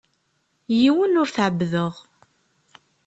Yiwen ur t-ɛebbdeɣ.